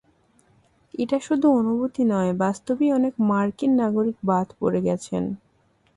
এটা শুধু অনুভূতি নয়, বাস্তবেই অনেক মার্কিন নাগরিক বাদ পড়ে গেছেন।